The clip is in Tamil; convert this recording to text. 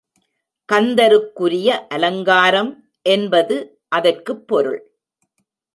கந்தருக்குரிய அலங்காரம் என்பது அதற்குப் பொருள்.